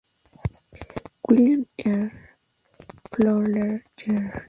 William R. Fowler Jr.